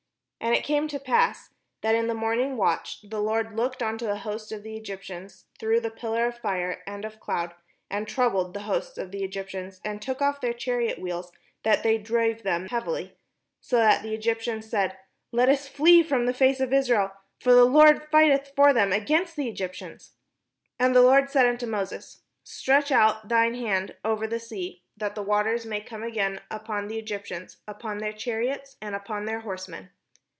And it came to pass, that 532 THE JOURNEY TO THE PROMISED LAND in the morning watch the Lord looked unto the host of the Egy])tians through the pillar of fire and of the cloud, and troubled the host of the Egyptians, and took off their chariot wheels, that they drave them heavily; so that the Egyptians said, "Let us flee from the face of Israel; for the Lord fighteth for them against the Egyp tians." And the Lord said unto Moses: " Stretch out thine hand over the sea, that the waters may come again upon the Egyptians, upon their chariots, and upon their horsemen."